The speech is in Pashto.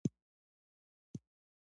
افغانستان له اقلیم ډک دی.